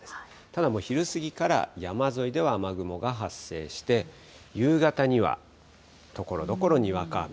ただもう昼過ぎから、山沿いでは雨雲が発生して、夕方には、ところどころにわか雨。